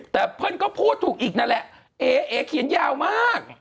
แต่เพื่อนก็พูดถูกอีกนั่นแหละเอ๋เขียนยาวมาก